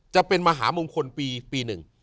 จะเป็นมหามงคลปีหนึ่ง